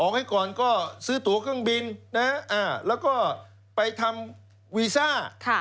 ออกให้ก่อนก็ซื้อตัวกางบินแล้วก็ไปทำวีซ่า